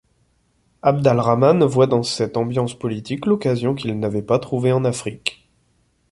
Abd al-Rahman voit dans cette ambiance politique l'occasion qu'il n'avait pas trouvée en Afrique.